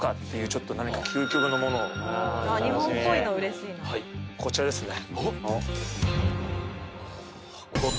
ちょっと何か究極のものをはいこちらですね